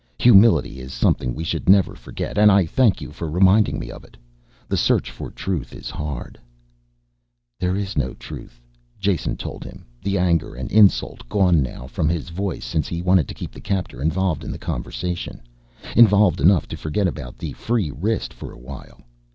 Humility is something we should never forget and I thank you for reminding me of it. The search for Truth is hard." "There is no Truth," Jason told him, the anger and insult gone now from his voice since he wanted to keep his captor involved in the conversation. Involved enough to forget about the free wrist for a while.